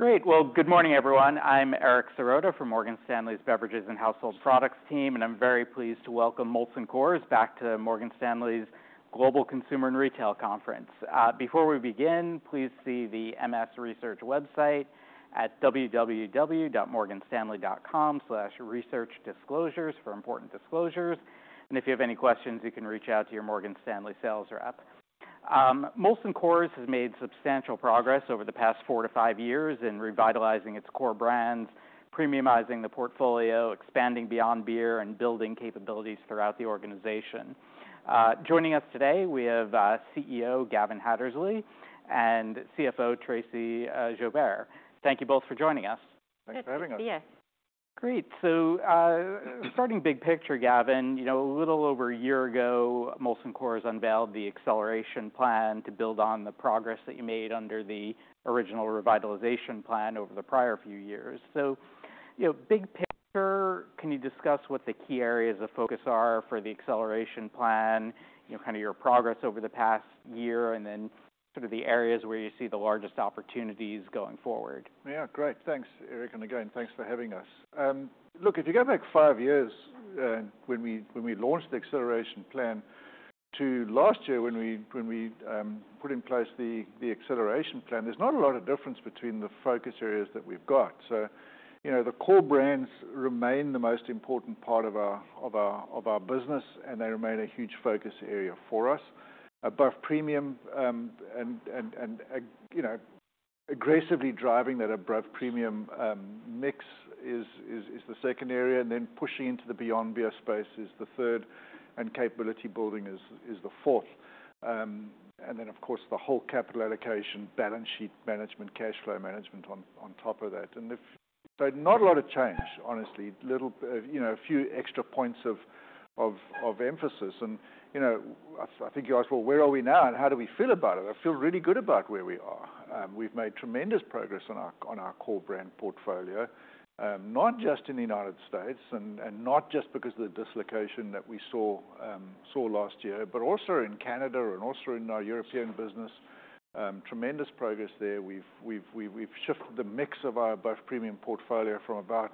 Great. Well, good morning, everyone. I'm Eric Sirota from Morgan Stanley's Beverages and Household Products team, and I'm very pleased to welcome Molson Coors back to Morgan Stanley's Global Consumer & Retail Conference. Before we begin, please see the MS Research website at www.morganstanley.com/researchdisclosures for important disclosures. And if you have any questions, you can reach out to your Morgan Stanley sales rep. Molson Coors has made substantial progress over the past four to five years in revitalizing its core brands, premiumizing the portfolio, expanding Beyond Beer, and building capabilities throughout the organization. Joining us today, we have CEO Gavin Hattersley and CFO Tracey Joubert. Thank you both for joining us. Thanks for having us. Thanks. Yes. Great. So starting big picture, Gavin, a little over a year ago, Molson Coors unveiled the Acceleration Plan to build on the progress that you made under the original Revitalization Plan over the prior few years. So big picture, can you discuss what the key areas of focus are for the Acceleration Plan, kind of your progress over the past year, and then sort of the areas where you see the largest opportunities going forward? Yeah. Great. Thanks, Eric. And again, thanks for having us. Look, if you go back five years when we launched the Acceleration Plan to last year when we put in place the Acceleration Plan, there's not a lot of difference between the focus areas that we've got. So the core brands remain the most important part of our business, and they remain a huge focus area for us. Above premium and aggressively driving that above premium mix is the second area. And then pushing into the Beyond beer space is the third, and capability building is the fourth. And then, of course, the whole capital allocation, balance sheet management, cash flow management on top of that. And not a lot of change, honestly. A few extra points of emphasis. And I think you asked, well, where are we now, and how do we feel about it? I feel really good about where we are. We've made tremendous progress on our core brand portfolio, not just in the United States and not just because of the dislocation that we saw last year, but also in Canada and also in our European business. Tremendous progress there. We've shifted the mix of our above premium portfolio from about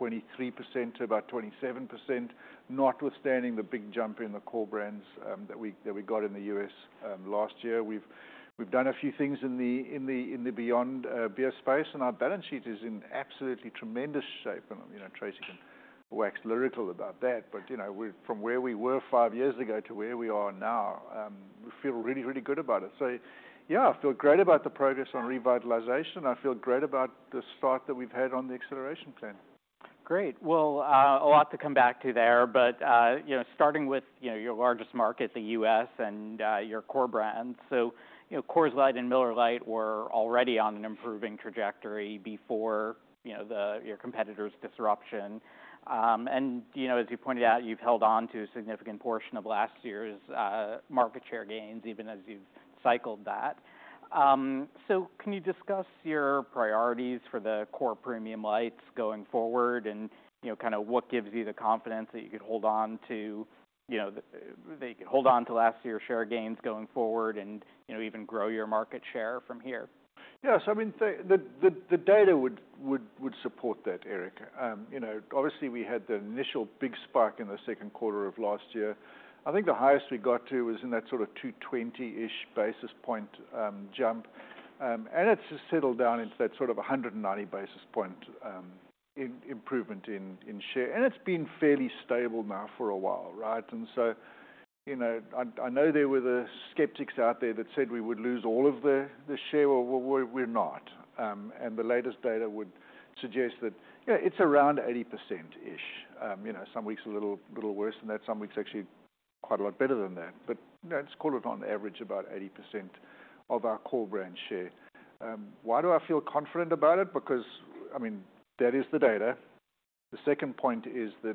23% to about 27%, notwithstanding the big jump in the core brands that we got in the U.S. last year. We've done a few things in the Beyond Beer space, and our balance sheet is in absolutely tremendous shape, and Tracey can wax lyrical about that, but from where we were five years ago to where we are now, we feel really, really good about it. So yeah, I feel great about the progress on Revitalization. I feel great about the start that we've had on the Acceleration Plan. Great. A lot to come back to there. Starting with your largest market, the U.S., and your core brands. Coors Light and Miller Lite were already on an improving trajectory before your competitors' disruption. As you pointed out, you've held on to a significant portion of last year's market share gains, even as you've cycled that. Can you discuss your priorities for the core premium lights going forward and kind of what gives you the confidence that you could hold on to last year's share gains going forward and even grow your market share from here? Yeah. So I mean, the data would support that, Eric. Obviously, we had the initial big spike in the second quarter of last year. I think the highest we got to was in that sort of 220-ish basis point jump. And it's settled down into that sort of 190 basis point improvement in share. And it's been fairly stable now for a while, right? And so I know there were the skeptics out there that said we would lose all of the share. Well, we're not. And the latest data would suggest that it's around 80%-ish. Some weeks a little worse than that. Some weeks actually quite a lot better than that. But let's call it on average about 80% of our core brand share. Why do I feel confident about it? Because, I mean, that is the data. The second point is that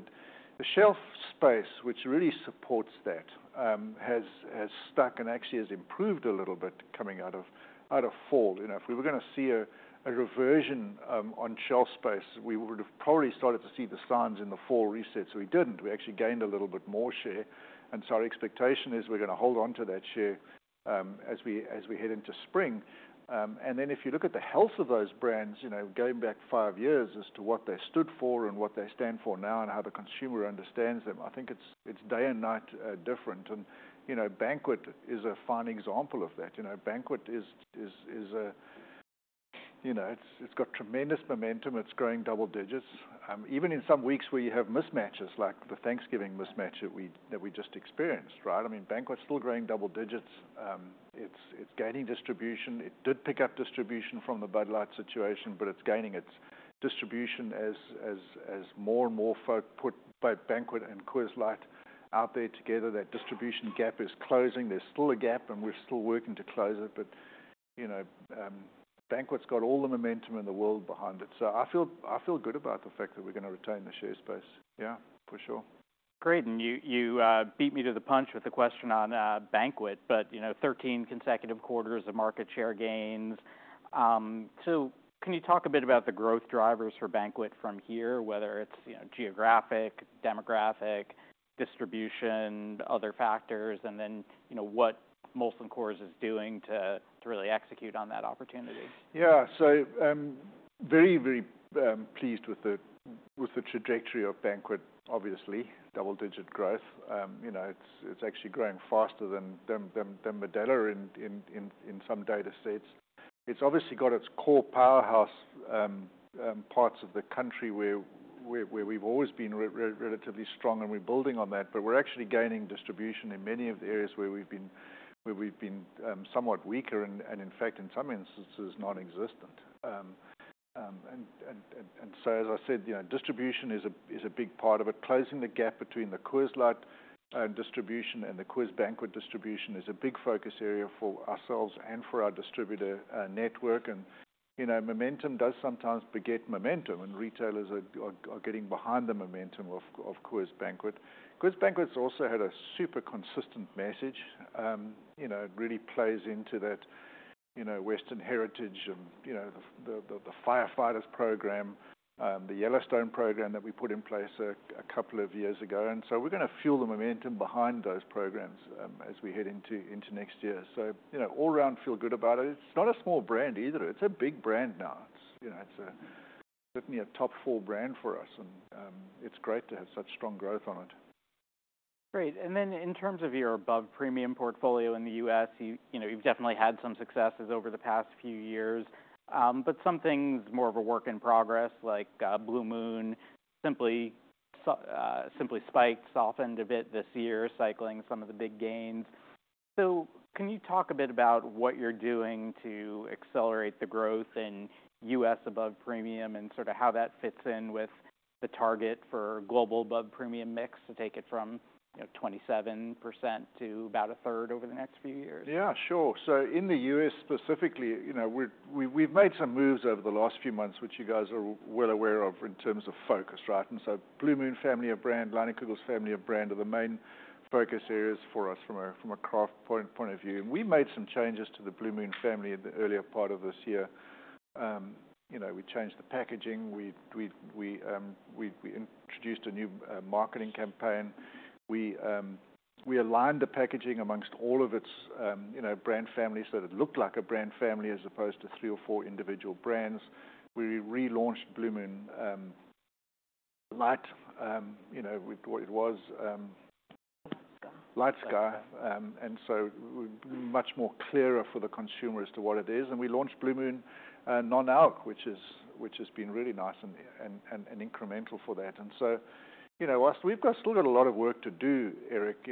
the shelf space, which really supports that, has stuck and actually has improved a little bit coming out of fall. If we were going to see a reversion on shelf space, we would have probably started to see the signs in the fall recede, so we didn't. We actually gained a little bit more share, and so our expectation is we're going to hold on to that share as we head into spring, and then if you look at the health of those brands, going back five years as to what they stood for and what they stand for now and how the consumer understands them, I think it's day and night different, and Banquet is a fine example of that. Banquet has got tremendous momentum. It's growing double digits. Even in some weeks where you have mismatches, like the Thanksgiving mismatch that we just experienced, right? I mean, Banquet's still growing double digits. It's gaining distribution. It did pick up distribution from the Bud Light situation, but it's gaining its distribution as more and more folk put both Banquet and Coors Light out there together. That distribution gap is closing. There's still a gap, and we're still working to close it. But Banquet's got all the momentum in the world behind it. So I feel good about the fact that we're going to retain the share space. Yeah, for sure. Great, and you beat me to the punch with the question on Banquet, but 13 consecutive quarters of market share gains. So can you talk a bit about the growth drivers for Banquet from here, whether it's geographic, demographic, distribution, other factors, and then what Molson Coors is doing to really execute on that opportunity? Yeah. So I'm very, very pleased with the trajectory of Banquet, obviously. Double-digit growth. It's actually growing faster than Modelo in some data sets. It's obviously got its core powerhouse parts of the country where we've always been relatively strong and rebuilding on that. But we're actually gaining distribution in many of the areas where we've been somewhat weaker and, in fact, in some instances, nonexistent. And so, as I said, distribution is a big part of it. Closing the gap between the Coors Light distribution and the Coors Banquet distribution is a big focus area for ourselves and for our distributor network. And momentum does sometimes beget momentum, and retailers are getting behind the momentum of Coors Banquet. Coors Banquet's also had a super consistent message. It really plays into that Western heritage and the firefighters program, the Yellowstone program that we put in place a couple of years ago, and so we're going to fuel the momentum behind those programs as we head into next year, so all around, feel good about it. It's not a small brand either. It's a big brand now. It's certainly a top four brand for us, and it's great to have such strong growth on it. Great. And then in terms of your above premium portfolio in the U.S., you've definitely had some successes over the past few years. But some things more of a work in progress, like Blue Moon Simply Spiked, softened a bit this year, cycling some of the big gains. So can you talk a bit about what you're doing to accelerate the growth in U.S. above premium and sort of how that fits in with the target for global above premium mix to take it from 27% to about a third over the next few years? Yeah, sure. So in the U.S. specifically, we've made some moves over the last few months, which you guys are well aware of in terms of focus, right? And so Blue Moon family of brand, Leinenkugel's family of brand are the main focus areas for us from a craft point of view. And we made some changes to the Blue Moon family in the earlier part of this year. We changed the packaging. We introduced a new marketing campaign. We aligned the packaging among all of its brand families so that it looked like a brand family as opposed to three or four individual brands. We relaunched Blue Moon Light with what it was, LightSky. And so much more clearer for the consumer as to what it is. And we launched Blue Moon Non-Alc, which has been really nice and incremental for that. We've still got a lot of work to do, Eric.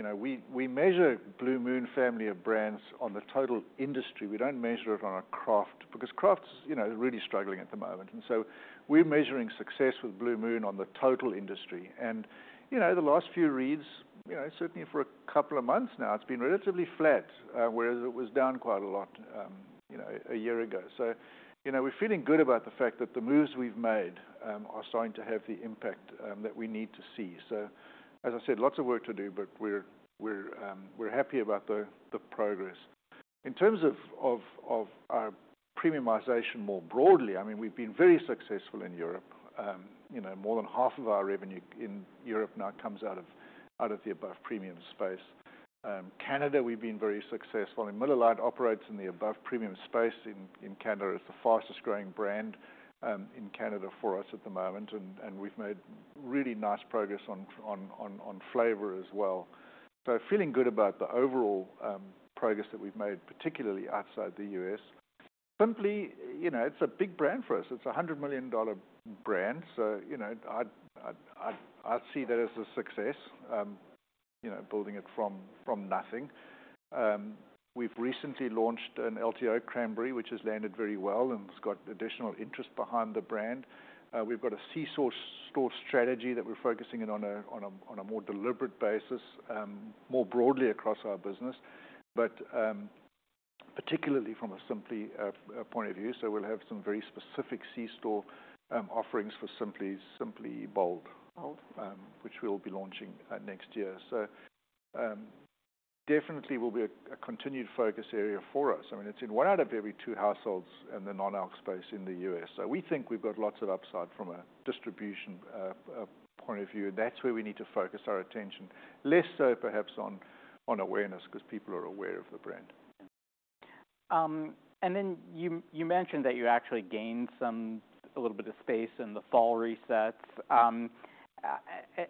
We measure Blue Moon family of brands on the total industry. We don't measure it on a craft because craft's really struggling at the moment. We're measuring success with Blue Moon on the total industry. The last few reads, certainly for a couple of months now, it's been relatively flat, whereas it was down quite a lot a year ago. We're feeling good about the fact that the moves we've made are starting to have the impact that we need to see. As I said, lots of work to do, but we're happy about the progress. In terms of our premiumization more broadly, I mean, we've been very successful in Europe. More than half of our revenue in Europe now comes out of the above premium space. Canada, we've been very successful. Miller Lite operates in the above premium space in Canada. It's the fastest growing brand in Canada for us at the moment. We've made really nice progress on flavor as well. Feeling good about the overall progress that we've made, particularly outside the U.S.. Simply, it's a big brand for us. It's a $100 million brand. I see that as a success, building it from nothing. We've recently launched an LTO cranberry, which has landed very well and has got additional interest behind the brand. We've got a C-store strategy that we're focusing on a more deliberate basis, more broadly across our business, but particularly from a Simply point of view. We'll have some very specific C-store offerings for Simply Bold, which we'll be launching next year. Definitely will be a continued focus area for us. I mean, it's in one out of every two households in the Non-Alc space in the U.S. So we think we've got lots of upside from a distribution point of view. And that's where we need to focus our attention. Less so, perhaps, on awareness because people are aware of the brand. And then you mentioned that you actually gained a little bit of space in the fall reset.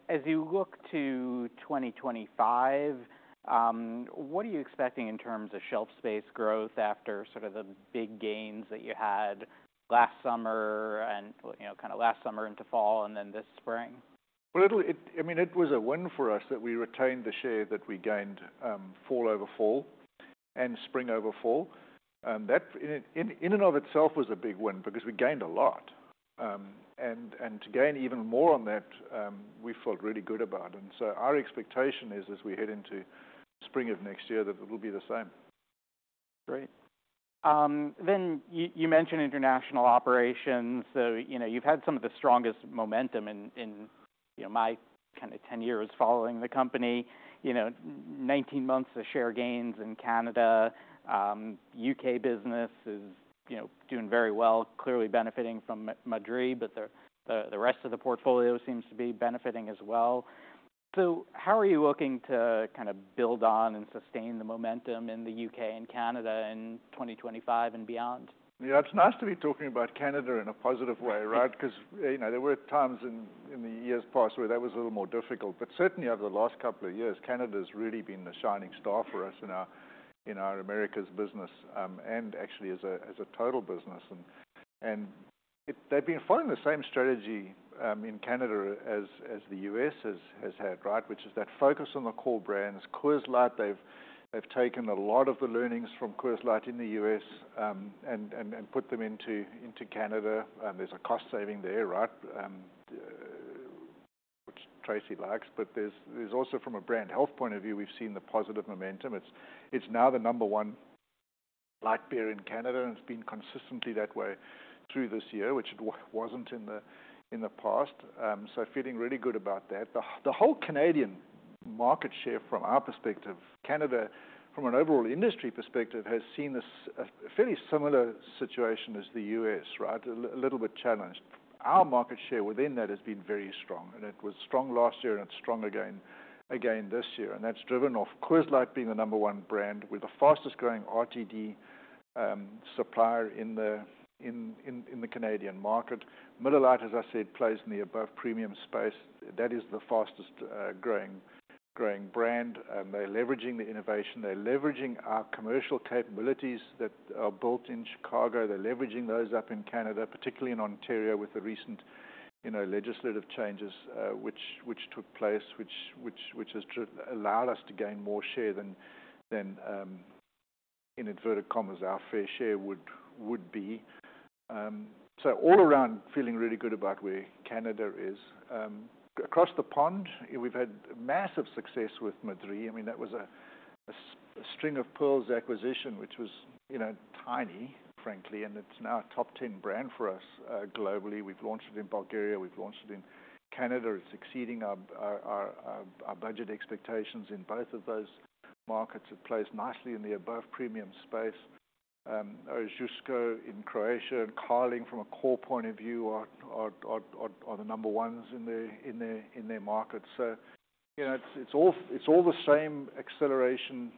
As you look to 2025, what are you expecting in terms of shelf space growth after sort of the big gains that you had last summer and kind of last summer into fall and then this spring? Well, I mean, it was a win for us that we retained the share that we gained fall over fall and spring over fall. That in and of itself was a big win because we gained a lot. And to gain even more on that, we felt really good about it. And so our expectation is, as we head into spring of next year, that it'll be the same. Great. Then you mentioned international operations. So you've had some of the strongest momentum in my kind of 10 years following the company. 19 months of share gains in Canada. U.K. business is doing very well, clearly benefiting from Madrí, but the rest of the portfolio seems to be benefiting as well. So how are you looking to kind of build on and sustain the momentum in the U.K. and Canada in 2025 and beyond? Yeah, it's nice to be talking about Canada in a positive way, right? Because there were times in the years past where that was a little more difficult, but certainly over the last couple of years, Canada has really been the shining star for us in our Americas business and actually as a total business, and they've been following the same strategy in Canada as the U.S. has had, right? Which is that focus on the core brands. Coors Light, they've taken a lot of the learnings from Coors Light in the U.S. and put them into Canada. There's a cost saving there, right? Which Tracey likes. But there's also from a brand health point of view, we've seen the positive momentum. It's now the number one light beer in Canada, and it's been consistently that way through this year, which it wasn't in the past. Feeling really good about that. The whole Canadian market share from our perspective, Canada from an overall industry perspective has seen a fairly similar situation as the U.S., right? A little bit challenged. Our market share within that has been very strong. And it was strong last year, and it's strong again this year. And that's driven off Coors Light being the number one brand with the fastest growing RTD supplier in the Canadian market. Miller Lite, as I said, plays in the above premium space. That is the fastest growing brand. They're leveraging the innovation. They're leveraging our commercial capabilities that are built in Chicago. They're leveraging those up in Canada, particularly in Ontario with the recent legislative changes which took place, which has allowed us to gain more share than in inverted commas, our fair share would be. So all around, feeling really good about where Canada is. Across the pond, we've had massive success with Madrí. I mean, that was a string of pearls acquisition, which was tiny, frankly. And it's now a top 10 brand for us globally. We've launched it in Bulgaria. We've launched it in Canada. It's exceeding our budget expectations in both of those markets. It plays nicely in the above premium space. Ožujsko in Croatia and Carling from a core point of view are the number ones in their market. So it's all the same acceleration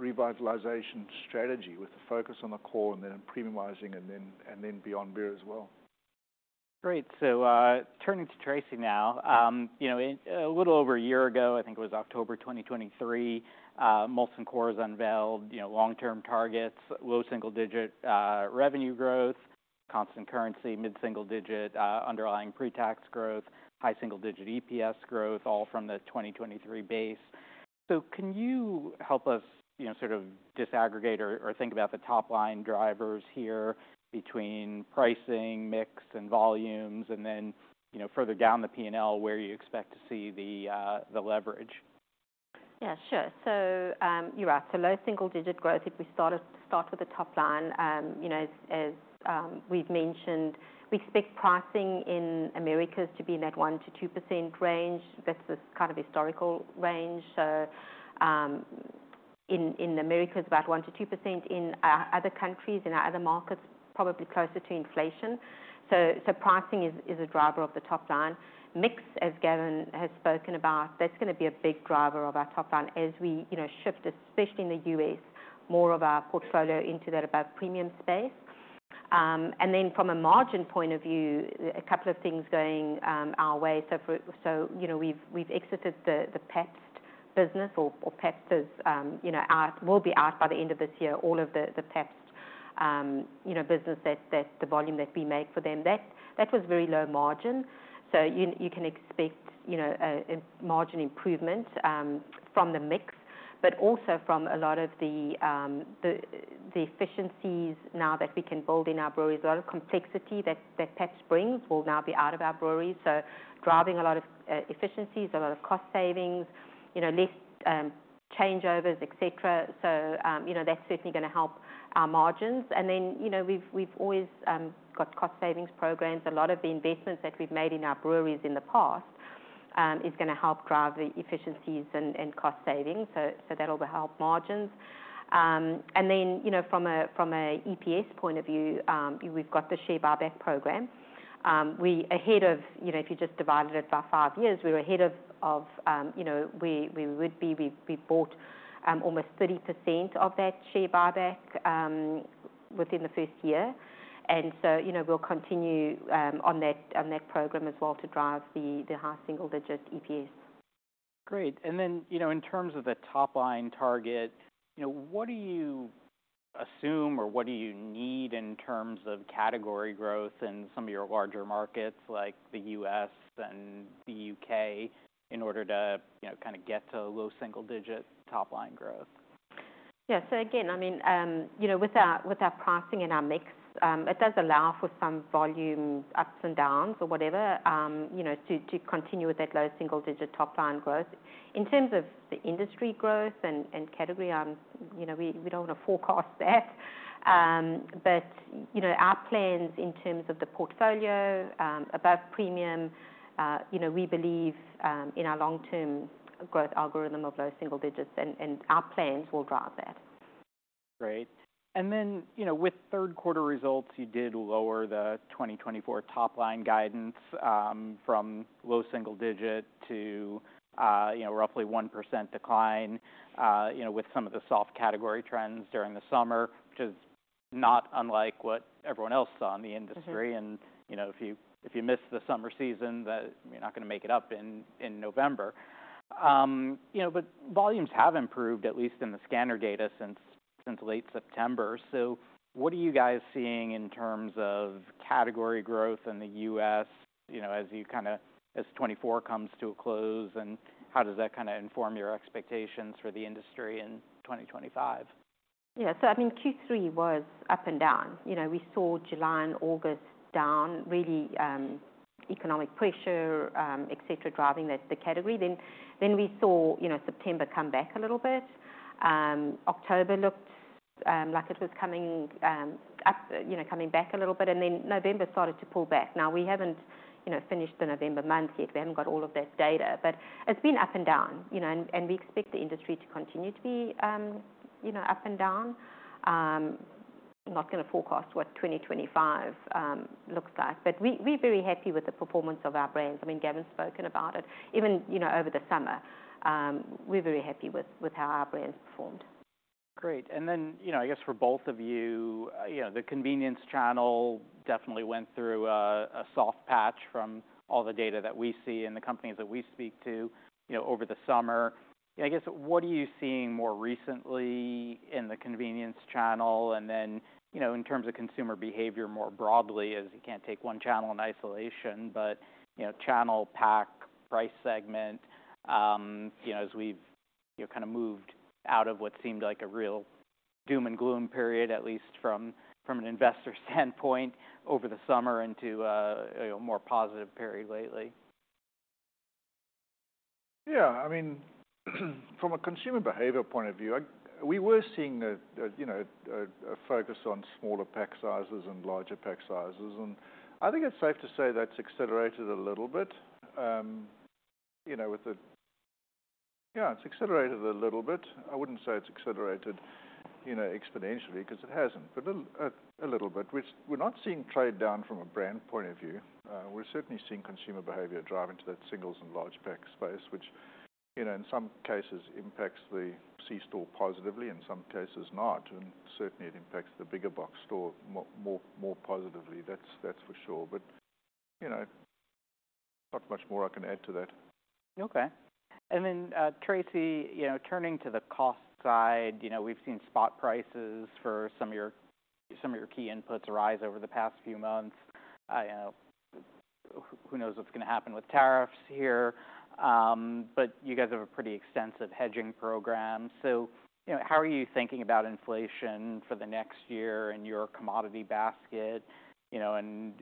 revitalization strategy with the focus on the core and then premiumizing and then Beyond Beer as well. Great. So turning to Tracey now. A little over a year ago, I think it was October 2023, Molson Coors unveiled long-term targets, low single-digit revenue growth, constant currency, mid-single-digit underlying pre-tax growth, high single-digit EPS growth, all from the 2023 base. So can you help us sort of disaggregate or think about the top-line drivers here between pricing, mix, and volumes, and then further down the P&L where you expect to see the leverage? Yeah, sure. So you're right. So low single-digit growth, if we start with the top line, as we've mentioned, we expect pricing in America to be in that 1%-2% range. That's the kind of historical range. So in America, it's about 1%-2%. In other countries, in other markets, probably closer to inflation. So pricing is a driver of the top line. Mix, as Gavin has spoken about, that's going to be a big driver of our top line as we shift, especially in the U.S., more of our portfolio into that above premium space. And then from a margin point of view, a couple of things going our way. So we've exited the Pabst business or Pabst will be out by the end of this year, all of the Pabst business, the volume that we make for them. That was very low margin. You can expect a margin improvement from the mix, but also from a lot of the efficiencies now that we can build in our breweries. A lot of complexity that Pabst brings will now be out of our breweries. So driving a lot of efficiencies, a lot of cost savings, less changeovers, etc. So that's certainly going to help our margins. And then we've always got cost savings programs. A lot of the investments that we've made in our breweries in the past is going to help drive the efficiencies and cost savings. So that'll help margins. And then from an EPS point of view, we've got the share buyback program. Ahead of, if you just divided it by five years, we were ahead of where we would be. We bought almost 30% of that share buyback within the first year. We'll continue on that program as well to drive the high single-digit EPS. Great. And then in terms of the top-line target, what do you assume or what do you need in terms of category growth in some of your larger markets like the U.S. and the U.K. in order to kind of get to low single-digit top-line growth? Yeah. So again, I mean, with our pricing and our mix, it does allow for some volume ups and downs or whatever to continue with that low single-digit top-line growth. In terms of the industry growth and category, we don't want to forecast that. But our plans in terms of the portfolio, above premium, we believe in our long-term growth algorithm of low single digits, and our plans will drive that. Great. And then with third quarter results, you did lower the 2024 top-line guidance from low single digit to roughly 1% decline with some of the soft category trends during the summer, which is not unlike what everyone else saw in the industry. And if you miss the summer season, you're not going to make it up in November. But volumes have improved, at least in the scanner data since late September. So what are you guys seeing in terms of category growth in the U.S. as 2024 comes to a close? And how does that kind of inform your expectations for the industry in 2025? Yeah. So I mean, Q3 was up and down. We saw July and August down, really economic pressure, etc., driving the category. Then we saw September come back a little bit. October looked like it was coming back a little bit. And then November started to pull back. Now, we haven't finished the November month yet. We haven't got all of that data. But it's been up and down. And we expect the industry to continue to be up and down. I'm not going to forecast what 2025 looks like. But we're very happy with the performance of our brands. I mean, Gavin's spoken about it. Even over the summer, we're very happy with how our brands performed. Great. And then I guess for both of you, the convenience channel definitely went through a soft patch from all the data that we see and the companies that we speak to over the summer. I guess what are you seeing more recently in the convenience channel? And then in terms of consumer behavior more broadly, as you can't take one channel in isolation, but channel, pack, price segment, as we've kind of moved out of what seemed like a real doom and gloom period, at least from an investor standpoint, over the summer into a more positive period lately? Yeah. I mean, from a consumer behavior point of view, we were seeing a focus on smaller pack sizes and larger pack sizes. And I think it's safe to say that's accelerated a little bit. Yeah, it's accelerated a little bit. I wouldn't say it's accelerated exponentially because it hasn't, but a little bit. We're not seeing trade down from a brand point of view. We're certainly seeing consumer behavior drive into that singles and large pack space, which in some cases impacts the C-store positively, in some cases not. And certainly, it impacts the big box store more positively. That's for sure. But not much more I can add to that. Okay. And then Tracey, turning to the cost side, we've seen spot prices for some of your key inputs rise over the past few months. Who knows what's going to happen with tariffs here? But you guys have a pretty extensive hedging program. So how are you thinking about inflation for the next year in your commodity basket? And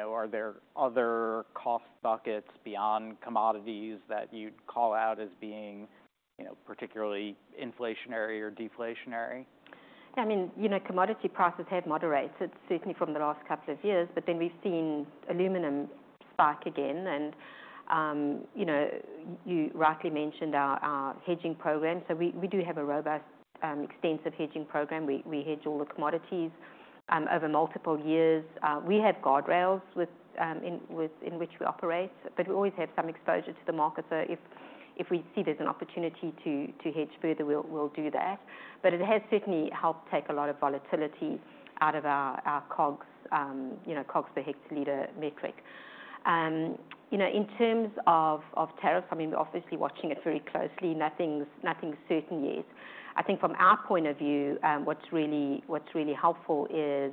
are there other cost buckets beyond commodities that you'd call out as being particularly inflationary or deflationary? Yeah. I mean, commodity prices have moderated, certainly from the last couple of years. But then we've seen aluminum spike again. And you rightly mentioned our hedging program. So we do have a robust, extensive hedging program. We hedge all the commodities over multiple years. We have guardrails in which we operate. But we always have some exposure to the market. So if we see there's an opportunity to hedge further, we'll do that. But it has certainly helped take a lot of volatility out of our COGS, COGS per hectoliter metric. In terms of tariffs, I mean, we're obviously watching it very closely. Nothing's certain, yes. I think from our point of view, what's really helpful is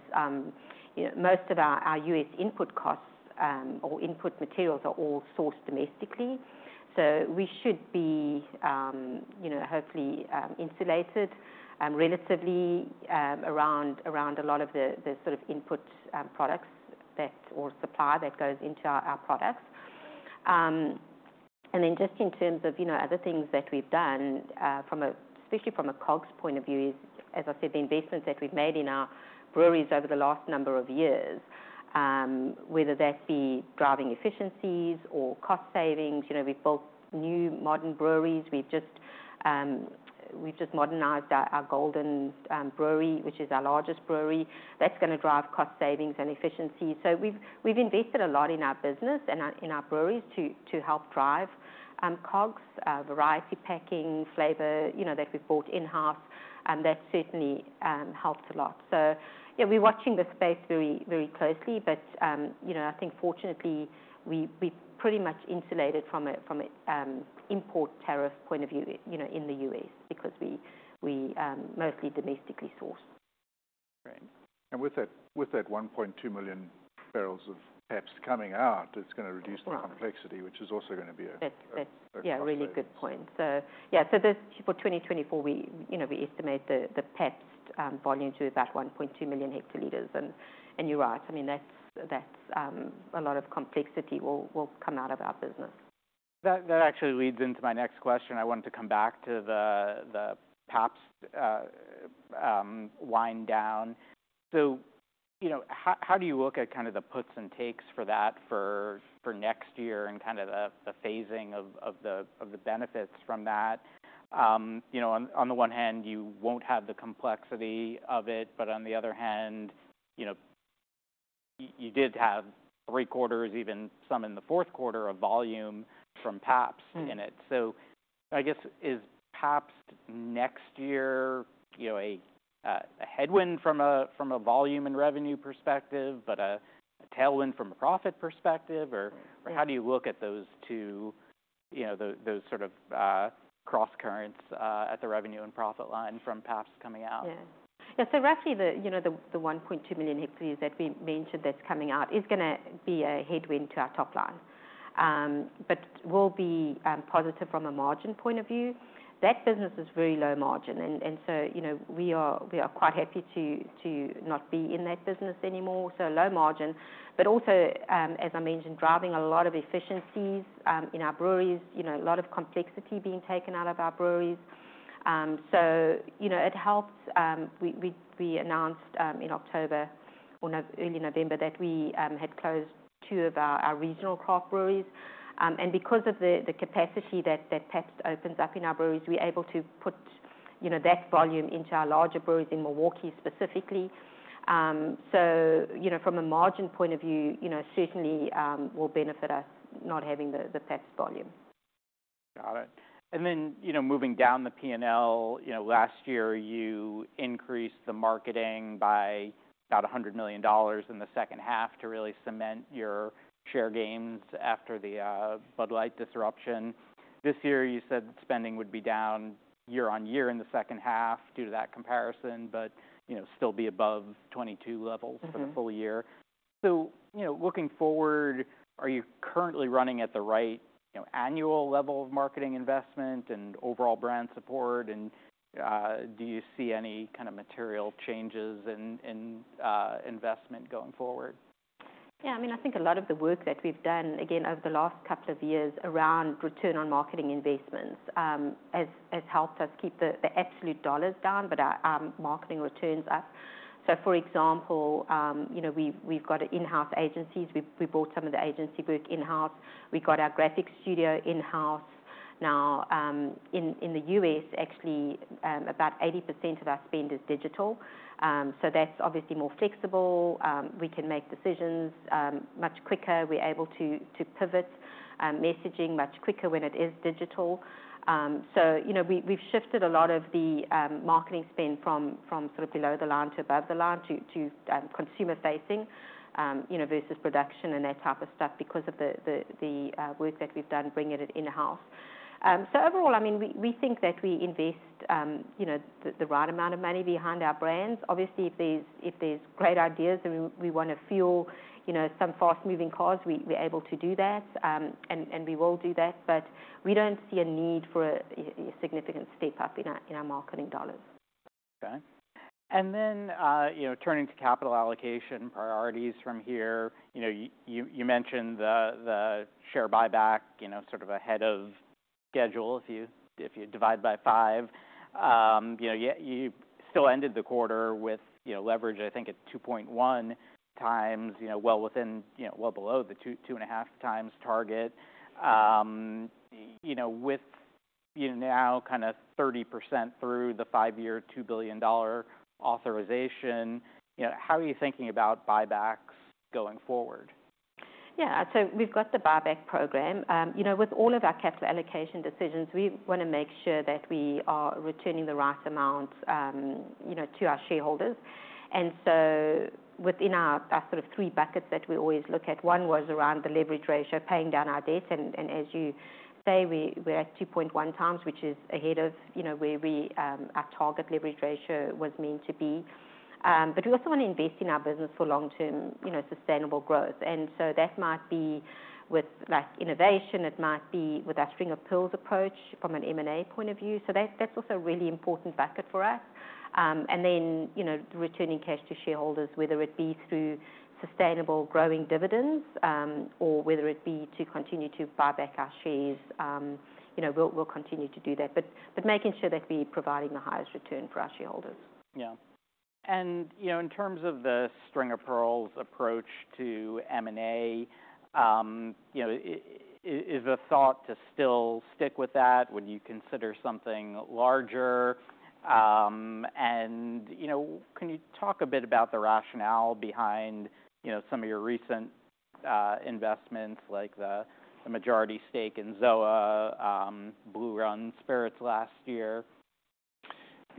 most of our U.S. input costs or input materials are all sourced domestically. So we should be hopefully insulated relatively around a lot of the sort of input products or supply that goes into our products. And then just in terms of other things that we've done, especially from a COGS point of view, as I said, the investments that we've made in our breweries over the last number of years, whether that be driving efficiencies or cost savings. We've built new modern breweries. We've just modernized our Golden Brewery, which is our largest brewery. That's going to drive cost savings and efficiency. So we've invested a lot in our business and in our breweries to help drive COGS, variety packing, flavor that we've bought in-house. And that certainly helps a lot. So yeah, we're watching the space very closely. But I think, fortunately, we've pretty much insulated from an import tariff point of view in the U.S. because we mostly domestically source. Great. And with that 1.2 million barrels of Pabst coming out, it's going to reduce the complexity, which is also going to be a complexity factor. Yeah, really good point. So yeah, for 2024, we estimate the Pabst volume to be about 1.2 million hectoliters. And you're right. I mean, that's a lot of complexity will come out of our business. That actually leads into my next question. I wanted to come back to the Pabst wind down. So how do you look at kind of the puts and takes for that for next year and kind of the phasing of the benefits from that? On the one hand, you won't have the complexity of it. But on the other hand, you did have three quarters, even some in the fourth quarter of volume from Pabst in it. So I guess, is Pabst next year a headwind from a volume and revenue perspective, but a tailwind from a profit perspective? Or how do you look at those sort of cross currents at the revenue and profit line from Pabst coming out? Yeah. Yeah. So roughly, the 1.2 million hectoliter that we mentioned that's coming out is going to be a headwind to our top line, but will be positive from a margin point of view. That business is very low margin. We are quite happy to not be in that business anymore. Low margin, but also, as I mentioned, driving a lot of efficiencies in our breweries, a lot of complexity being taken out of our breweries. It helps. We announced in October, early November, that we had closed two of our regional craft breweries. Because of the capacity that Pabst opens up in our breweries, we are able to put that volume into our larger breweries in Milwaukee specifically. From a margin point of view, certainly will benefit us not having the Pabst volume. Got it. And then moving down the P&L, last year, you increased the marketing by about $100 million in the second half to really cement your share gains after the Bud Light disruption. This year, you said spending would be down year on year in the second half due to that comparison, but still be above 22 levels for the full year. So looking forward, are you currently running at the right annual level of marketing investment and overall brand support? And do you see any kind of material changes in investment going forward? Yeah. I mean, I think a lot of the work that we've done, again, over the last couple of years around return on marketing investments has helped us keep the absolute dollars down, but our marketing returns up. So for example, we've got in-house agencies. We bought some of the agency work in-house. We've got our graphic studio in-house. Now, in the U.S., actually, about 80% of our spend is digital. So that's obviously more flexible. We can make decisions much quicker. We're able to pivot messaging much quicker when it is digital. So we've shifted a lot of the marketing spend from sort of below the line to above the line to consumer-facing versus production and that type of stuff because of the work that we've done bringing it in-house. So overall, I mean, we think that we invest the right amount of money behind our brands. Obviously, if there's great ideas and we want to fuel some fast-moving cause, we're able to do that. And we will do that. But we don't see a need for a significant step up in our marketing dollars. Okay. And then turning to capital allocation priorities from here, you mentioned the share buyback sort of ahead of schedule if you divide by five. You still ended the quarter with leverage, I think, at 2.1x, well below the 2.5x target. With now kind of 30% through the five-year $2 billion authorization, how are you thinking about buybacks going forward? Yeah. So we've got the buyback program. With all of our capital allocation decisions, we want to make sure that we are returning the right amount to our shareholders. And so within our sort of three buckets that we always look at, one was around the leverage ratio, paying down our debt. And as you say, we're at 2.1x, which is ahead of where our target leverage ratio was meant to be. But we also want to invest in our business for long-term sustainable growth. And so that might be with innovation. It might be with our string of pearls approach from an M&A point of view. So that's also a really important bucket for us. And then returning cash to shareholders, whether it be through sustainable growing dividends or whether it be to continue to buy back our shares, we'll continue to do that. But making sure that we're providing the highest return for our shareholders. Yeah, and in terms of the string of pearls approach to M&A, is the thought to still stick with that when you consider something larger, and can you talk a bit about the rationale behind some of your recent investments, like the majority stake in Zoa, Blue Run Spirits last year?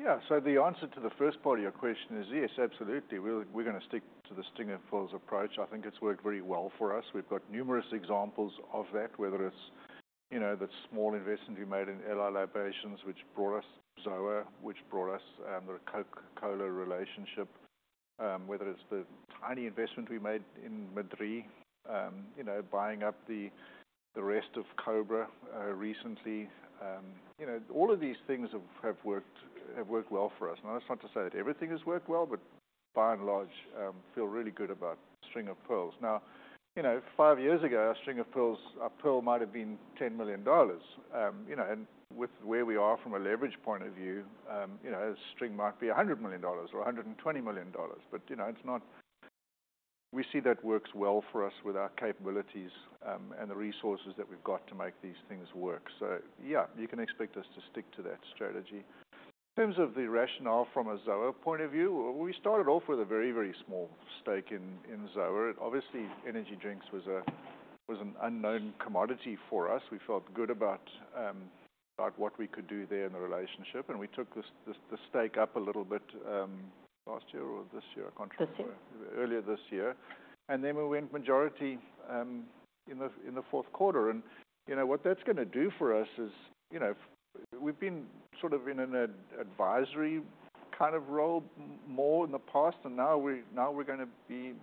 Yeah. So the answer to the first part of your question is yes, absolutely. We're going to stick to the string of pearls approach. I think it's worked very well for us. We've got numerous examples of that, whether it's the small investment we made in L.A. Libations, which brought us Zoa, which brought us the Coca-Cola relationship, whether it's the tiny investment we made in Madrí, buying up the rest of Cobra recently. All of these things have worked well for us. Now, that's not to say that everything has worked well, but by and large, feel really good about string of pearls. Now, five years ago, a string of pearls, a pearl might have been $10 million, and with where we are from a leverage point of view, a string might be $100 million or $120 million. But we see that works well for us with our capabilities and the resources that we've got to make these things work. So yeah, you can expect us to stick to that strategy. In terms of the rationale from a Zoa point of view, we started off with a very, very small stake in Zoa. Obviously, energy drinks was an unknown commodity for us. We felt good about what we could do there in the relationship. And we took the stake up a little bit last year or this year, I can't remember. This year. Earlier this year, and then we went majority in the fourth quarter. And what that's going to do for us is we've been sort of in an advisory kind of role more in the past. And now we're going to be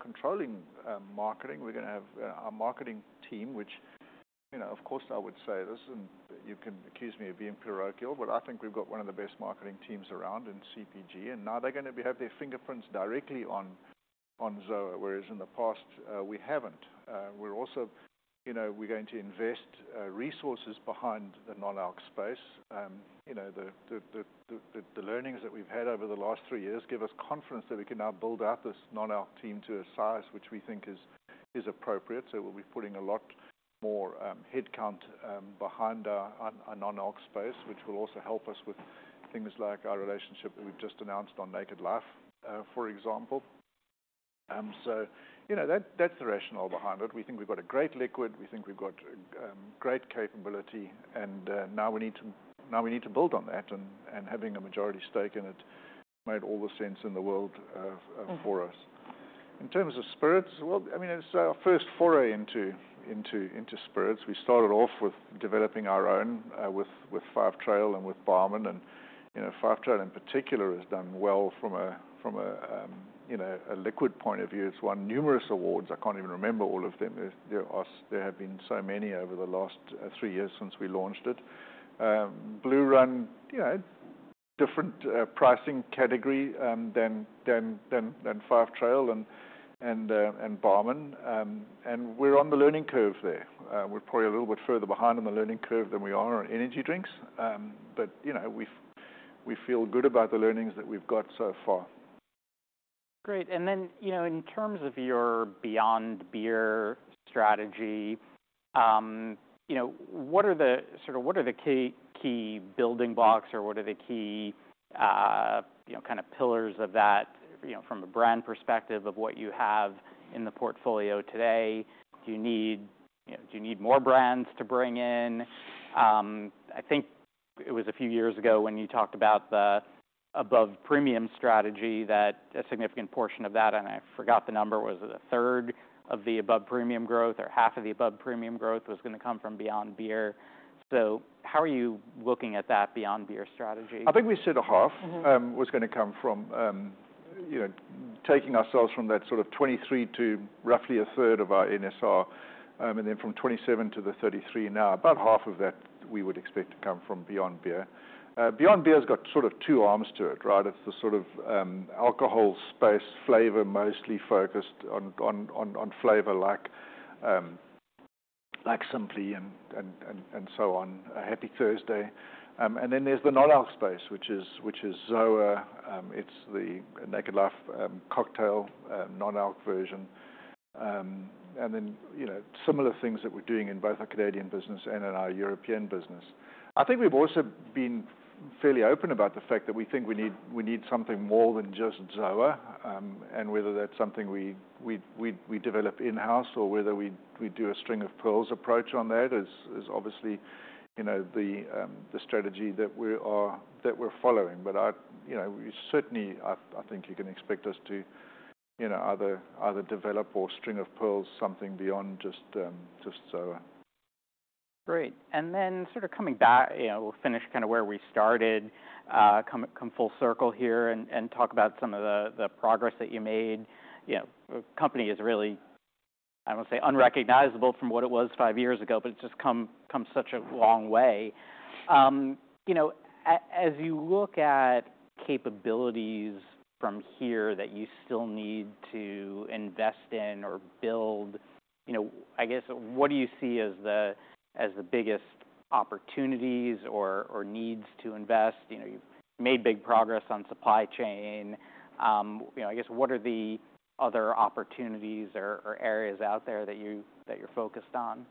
controlling marketing. We're going to have our marketing team, which, of course, I would say this, and you can accuse me of being parochial, but I think we've got one of the best marketing teams around in CPG. And now they're going to have their fingerprints directly on Zoa, whereas in the past, we haven't. We're going to invest resources behind the Non-alc space. The learnings that we've had over the last three years give us confidence that we can now build out this Non-alc team to a size which we think is appropriate. So we'll be putting a lot more headcount behind our Non-alc space, which will also help us with things like our relationship that we've just announced on Naked Life, for example. So that's the rationale behind it. We think we've got a great liquid. We think we've got great capability. And now we need to build on that. And having a majority stake in it made all the sense in the world for us. In terms of spirits, well, I mean, it's our first foray into spirits. We started off with developing our own with FiveTrail and with Barmen. And FiveTrail, in particular, has done well from a liquid point of view. It's won numerous awards. I can't even remember all of them. There have been so many over the last three years since we launched it. Blue Run, different pricing category than FiveTrail and Barmen. We're on the learning curve there. We're probably a little bit further behind on the learning curve than we are on energy drinks. We feel good about the learnings that we've got so far. Great. And then in terms of your Beyond Beer strategy, what are the sort of key building blocks or what are the key kind of pillars of that from a brand perspective of what you have in the portfolio today? Do you need more brands to bring in? I think it was a few years ago when you talked about the above-premium strategy that a significant portion of that, and I forgot the number, was a third of the above-premium growth or half of the above-premium growth was going to come from Beyond Beer. So how are you looking at that Beyond Beer strategy? I think we said a half was going to come from taking ourselves from that sort of 23 to roughly a third of our NSR, and then from 27 to the 33 now, about half of that we would expect to come from Beyond Beer. Beyond Beer has got sort of two arms to it, right? It's the sort of alcohol space, flavor mostly focused on flavor like Simply and so on, Happy Thursday. And then there's the Non-alc space, which is Zoa. It's the Naked Life cocktail Non-alc version. And then similar things that we're doing in both our Canadian business and in our European business. I think we've also been fairly open about the fact that we think we need something more than just Zoa. And whether that's something we develop in-house or whether we do a string of pearls approach on that is obviously the strategy that we're following. But certainly, I think you can expect us to either develop or string of pearls, something beyond just Zoa. Great. And then sort of coming back, we'll finish kind of where we started, come full circle here and talk about some of the progress that you made. The company is really, I don't want to say unrecognizable from what it was five years ago, but it's just come such a long way. As you look at capabilities from here that you still need to invest in or build, I guess, what do you see as the biggest opportunities or needs to invest? You've made big progress on supply chain. I guess, what are the other opportunities or areas out there that you're focused on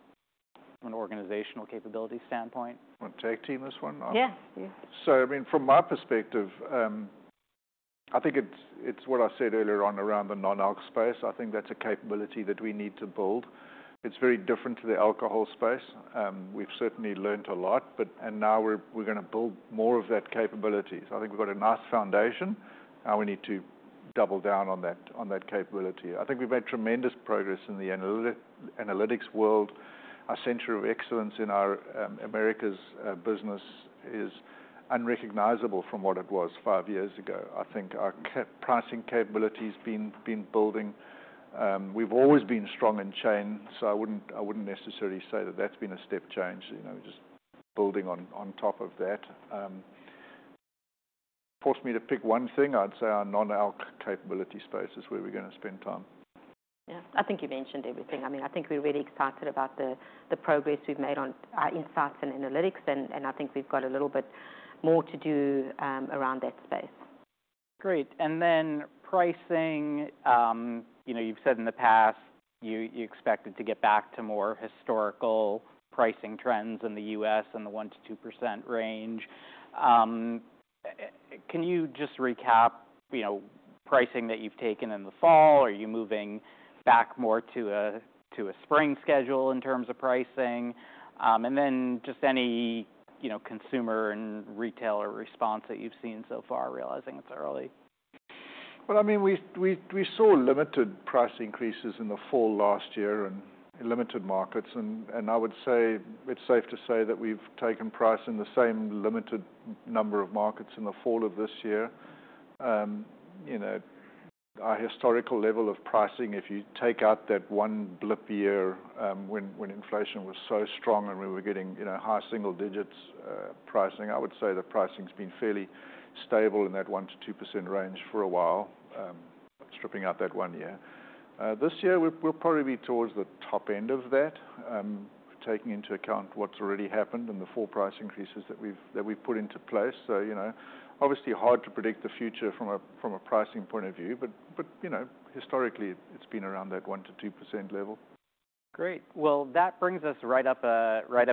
from an organizational capability standpoint? Want to take this one? Yeah. So I mean, from my perspective, I think it's what I said earlier on around the Non-alc space. I think that's a capability that we need to build. It's very different to the alcohol space. We've certainly learned a lot. And now we're going to build more of that capability. So I think we've got a nice foundation. Now we need to double down on that capability. I think we've made tremendous progress in the analytics world. Our centers of excellence in our Americas business is unrecognizable from what it was five years ago. I think our pricing capability has been building. We've always been strong in chain. So I wouldn't necessarily say that that's been a step change. We're just building on top of that. Force me to pick one thing, I'd say our Non-alc capability space is where we're going to spend time. Yeah. I think you mentioned everything. I mean, I think we're really excited about the progress we've made on our insights and analytics, and I think we've got a little bit more to do around that space. Great. And then pricing, you've said in the past you expected to get back to more historical pricing trends in the U.S. and the 1%-2% range. Can you just recap pricing that you've taken in the fall? Are you moving back more to a spring schedule in terms of pricing? And then just any consumer and retailer response that you've seen so far, realizing it's early? I mean, we saw limited price increases in the fall last year in limited markets. And I would say it's safe to say that we've taken price in the same limited number of markets in the fall of this year. Our historical level of pricing, if you take out that one blip year when inflation was so strong and we were getting high single-digits pricing, I would say the pricing's been fairly stable in that 1%-2% range for a while, stripping out that one year. This year, we'll probably be towards the top end of that, taking into account what's already happened and the full price increases that we've put into place. So obviously, hard to predict the future from a pricing point of view. But historically, it's been around that 1%-2% level. Great. Well, that brings us right up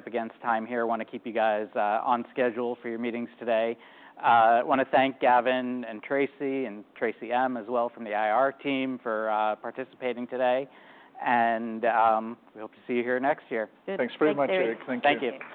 against time here. I want to keep you guys on schedule for your meetings today. I want to thank Gavin and Tracey and Tracie M. as well from the IR team for participating today. We hope to see you here next year. Thanks very much, Eric. Thank you. Thank you.